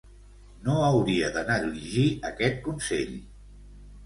No hauria de negligir aquest consell.